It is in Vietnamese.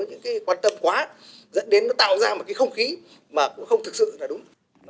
những cái quan tâm quá dẫn đến nó tạo ra một cái không khí mà cũng không thực sự là đúng